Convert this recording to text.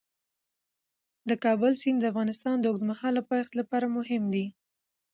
د کابل سیند د افغانستان د اوږدمهاله پایښت لپاره مهم دی.